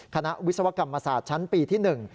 คณะวิศวกรรมศาสตร์ชั้นปีที่๑